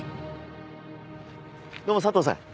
どうも佐藤さん。